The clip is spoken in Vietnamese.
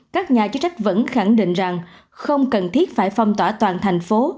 các nhà chức trách vẫn khẳng định rằng không cần thiết phải phong tỏa toàn thành phố